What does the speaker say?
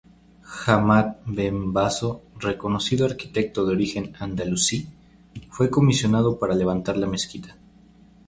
Ahmad Ben Baso, reconocido arquitecto de origen andalusí, fue comisionado para levantar la mezquita.